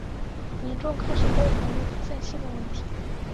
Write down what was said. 民众开始对法律出现信任问题。